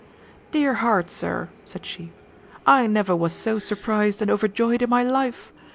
"Dear heart! sir," said she, "I never was so surprised and overjoyed in my life.